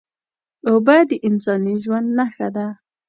اوبه د انساني ژوند نښه ده